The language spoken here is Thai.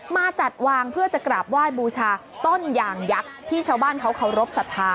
มาจัดวางเพื่อจะกราบไหว้บูชาต้นยางยักษ์ที่ชาวบ้านเขาเคารพสัทธา